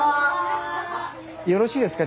よろしいですか？